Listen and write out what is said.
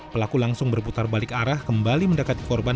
pelaku langsung berputar balik arah kembali mendekati korban